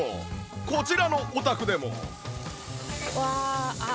こちらのお宅でも